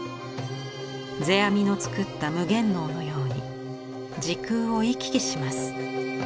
世阿弥の作った夢幻能のように時空を行き来します。